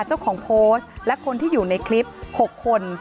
เจ้าของโพสต์และคนที่อยู่ในคลิป๖คน